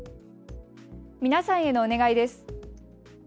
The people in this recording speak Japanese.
皆さんへのお願いです。